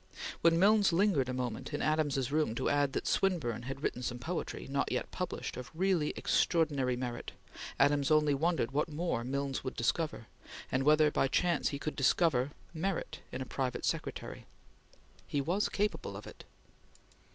When Milnes lingered a moment in Adams's room to add that Swinburne had written some poetry, not yet published, of really extraordinary merit, Adams only wondered what more Milnes would discover, and whether by chance he could discover merit in a private secretary. He was capable of it.